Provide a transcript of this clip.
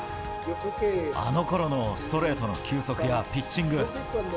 あのころのストレートの球速やピッチング。